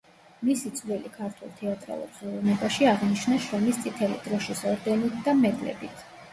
მისი წვლილი ქართულ თეატრალურ ხელოვნებაში აღინიშნა შრომის წითელი დროში ორდენით და მედლებით.